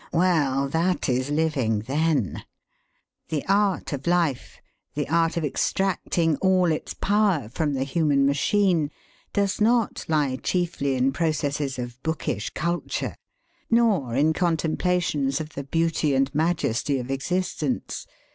Well, that is 'living,' then! The art of life, the art of extracting all its power from the human machine, does not lie chiefly in processes of bookish culture, nor in contemplations of the beauty and majesty of existence.